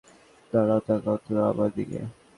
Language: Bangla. দাঁড়াও, তাকাও তো আমার দিকে।